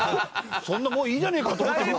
そんなもういいじゃねえか！と思って見てたよ。